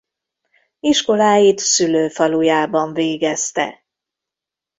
Iskoláit szülőfalujában végezte.